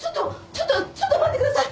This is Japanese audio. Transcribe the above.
ちょっとちょっと待ってください！